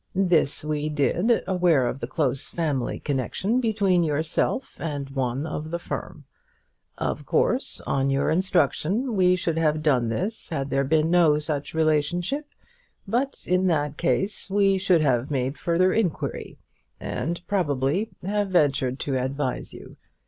This we did, aware of the close family connection between yourself and one of the firm. Of course, on your instruction, we should have done this had there been no such relationship, but in that case we should have made further inquiry, and, probably, have ventured to advise you.